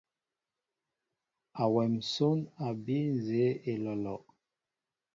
Awem nsón a bii nzeé olɔlɔ.